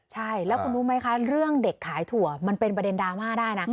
ใช่แล้วคุณรู้ไหมคะเรื่องเด็กขายถั่วมันเป็นประเด็นดราม่าได้นะ